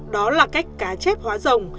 đó là cách cá chép hóa rồng